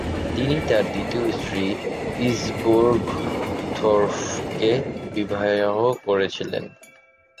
তিনি তার দ্বিতীয় স্ত্রী ইঞ্জবোর্গ থোর্ফকে বিবাহ করেছিলেন।